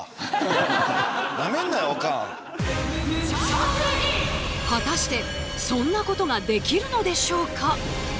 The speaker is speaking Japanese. ちなみに言うても果たしてそんなことができるのでしょうか？